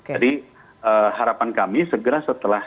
jadi harapan kami segera setelah masalah ini